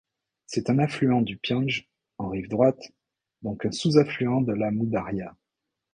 C'est un affluent du Piandj en rive droite, donc un sous-affluent de l'Amou Daria.